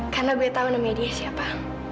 karena gue tahu nama dia siapa